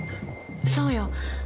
そうよ！